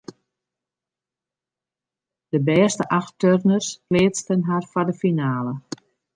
De bêste acht turners pleatsten har foar de finale.